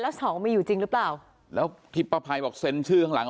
แล้วสองมีอยู่จริงหรือเปล่าแล้วที่ป้าภัยบอกเซ็นชื่อข้างหลัง